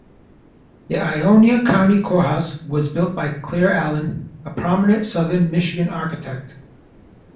The Ionia County Courthouse was built by Claire Allen, a prominent southern Michigan architect.